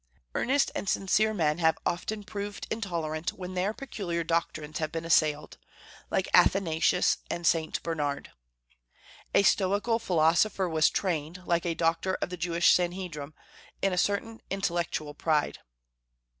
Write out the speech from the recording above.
Earnest and sincere men have often proved intolerant when their peculiar doctrines have been assailed, like Athanasius and St. Bernard. A Stoical philosopher was trained, like a doctor of the Jewish Sandhedrim, in a certain intellectual pride.